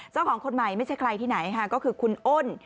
เจ้าของคนใหม่ไม่ใช่ใครที่ไหนค่ะก็คือคุณอ้น